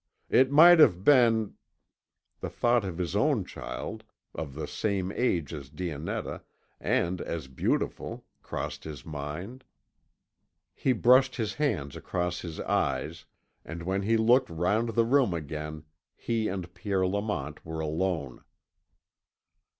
It might have been " The thought of his own child, of the same age as Dionetta, and as beautiful, crossed his mind. He brushed his hand across his eyes, and when he looked round the room again, he and Pierre Lamont were alone.